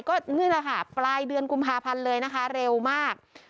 ก็นี่แหละค่ะปลายเดือนกุมภาพันธ์เลยนะคะเร็วมาก